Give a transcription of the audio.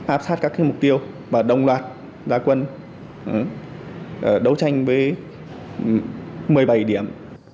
áp sát các mục tiêu và đồng loạt gia quân đấu tranh với một mươi bảy điểm